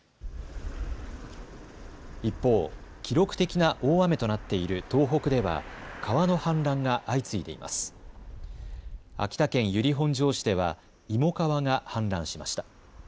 一方、記録的な大雨となっている東北では川の氾濫が相次いでいます。秋田県由利本荘市では芋川が氾濫しました。